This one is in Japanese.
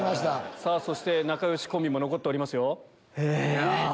そして仲良しコンビも残っておりますよ。